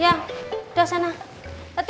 labunya sudah berhenti